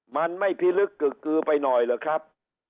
มันไม่พิลึกกึกกือไปหน่อยเหรอครับ